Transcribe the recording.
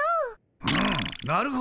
うむなるほど。